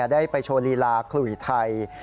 ได้ไปโชว์ลีลาขลุยไทย